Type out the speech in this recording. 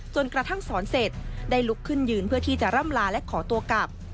กระทั่งสอนเสร็จได้ลุกขึ้นยืนเพื่อที่จะร่ำลาและขอตัวกลับ